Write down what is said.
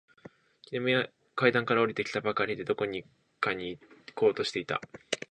君は階段から下りてきたばかりで、どこかに行こうとしていた。